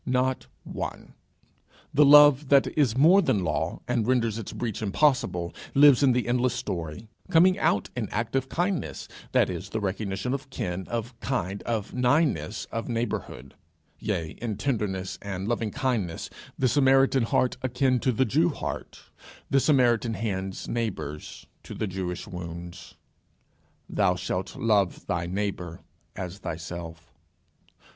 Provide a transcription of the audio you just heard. Not one. The love that is more than law, and renders its breach impossible, lives in the endless story, coming out in active kindness, that is, the recognition of kin, of kind, of nighness, of neighbourhood; yea, in tenderness and loving kindness the Samaritan heart akin to the Jew heart, the Samaritan hands neighbours to the Jewish wounds. Thou shalt love thy neighbour as thyself.